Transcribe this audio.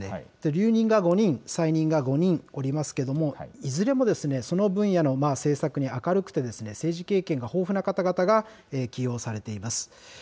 留任が５人、再任が５人おりますけれども、いずれもその分野の政策に明るくて、政治経験が豊富な方々が起用されています。